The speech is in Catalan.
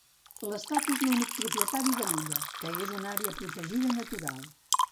L'estat és l'únic propietari de l'illa, que és una àrea protegida natural.